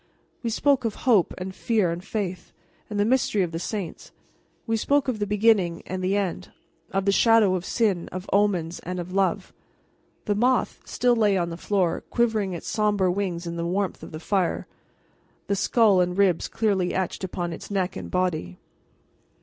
We spoke of hope and fear and faith, and the mystery of the saints; we spoke of the beginning and the end, of the shadow of sin, of omens, and of love. The moth still lay on the floor quivering its somber wings in the warmth of the fire, the skull and ribs clearly etched upon its neck and body.